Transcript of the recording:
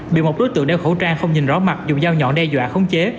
bị một đối tượng đeo khẩu trang không nhìn rõ mặt dùng dao nhọn đe dọa khống chế